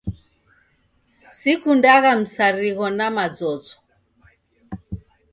Sikundagha msarigho na mazozo